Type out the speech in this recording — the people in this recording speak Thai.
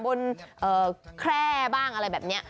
แคร่บ้างอะไรแบบนี้